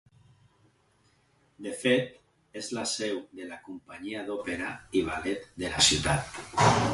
De fet, és la seu de la companyia d'òpera i ballet de la ciutat.